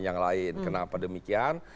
yang lain kenapa demikian